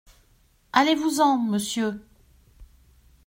Allez-vous en, monsieur !…